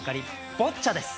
ボッチャです。